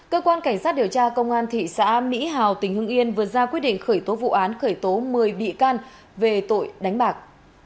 cơ quan cảnh sát điều tra công an thị xã mỹ hào tỉnh hưng yên vừa ra quyết định khởi tố vụ án khởi tố một mươi bị can về tội đánh bạc